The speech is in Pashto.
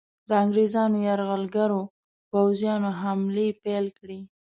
د انګریزانو یرغلګرو پوځیانو حملې پیل کړې.